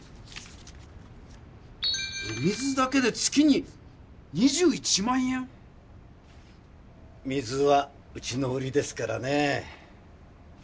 お水だけで月に２１万円⁉水はうちの売りですからね。